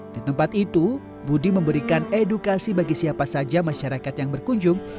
di tempat itu budi memberikan edukasi bagi siapa saja masyarakat yang berkunjung